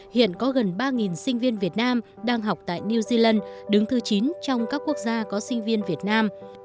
hiện có gần ba sinh viên việt nam đang học tại new zealand đứng thứ chín trong các quốc gia có sinh viên việt nam